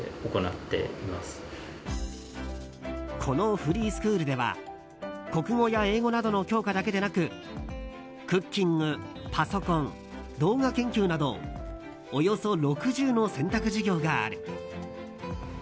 このフリースクールでは国語や英語などの教科だけでなくクッキング、パソコン動画研究などおよそ６０の選択授業がある。